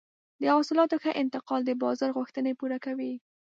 د حاصلاتو ښه انتقال د بازار غوښتنې پوره کوي.